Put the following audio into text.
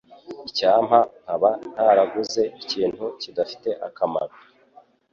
Icyampa nkaba ntaraguze ikintu kidafite akamaro.